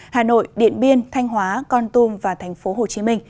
hà nội điện biên thanh hóa con tum và tp hcm